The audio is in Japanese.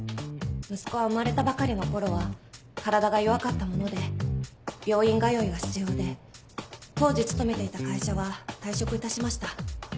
息子は生まれたばかりの頃は体が弱かったもので病院通いが必要で当時勤めていた会社は退職いたしました。